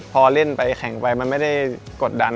พอเล่นไปแข่งไปมันไม่ได้กดดัน